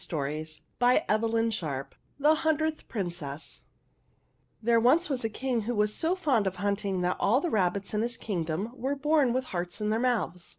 The Hundredth Princess The Hundredth Princess THERE was once a King who was so fond of hunting that all the rabbits in his kingdom were born with their hearts in their mouths.